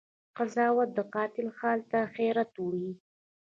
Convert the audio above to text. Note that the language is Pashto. قضاوت د قاتل حال ته حيرت وړی